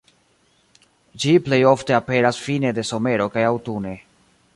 Ĝi plej ofte aperas fine de somero kaj aŭtune.